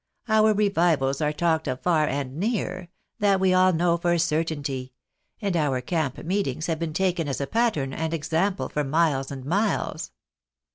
Our revivals are talked of far and near, that we all know for a certainty, and our camp meetings have been taken as a pattern and example for miles and miles."